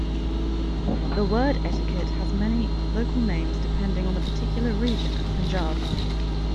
The word etiquette has many local names depending on the particular region of Punjab.